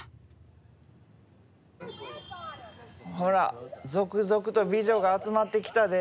ほら続々と美女が集まってきたで。